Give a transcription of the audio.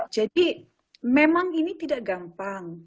jadi memang ini tidak gampang